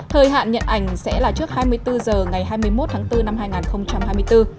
thời hạn nhận ảnh sẽ là trước hai mươi bốn h ngày hai mươi một tháng bốn năm hai nghìn hai mươi bốn